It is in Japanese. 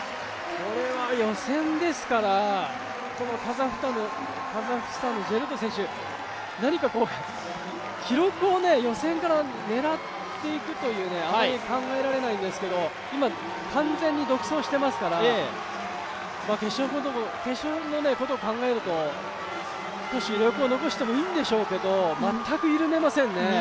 これは予選ですから、このカザフスタンのジェルト選手、何か記録を予選から狙っていくという、あまり考えられないんですけど、今、完全に独走していますから決勝のことを考えると少し余力を残してもいいんでしょうけど全く緩めませんね。